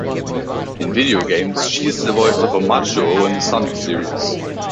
In video games, she is the voice of Omochao in the "Sonic" series.